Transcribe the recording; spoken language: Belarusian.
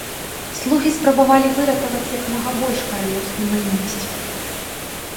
Слугі спрабавалі выратаваць як мага больш каралеўскай маёмасці.